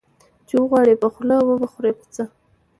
ـ چې وغواړې په خوله وبه خورې په څه.